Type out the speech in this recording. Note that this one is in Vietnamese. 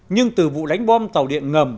nhưng từ vụ đánh bom tàu điện ngầm